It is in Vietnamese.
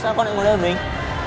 sao con lại ngồi đây với mình